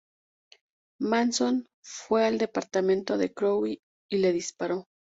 Manson fue al departamento de Crowe y le disparó.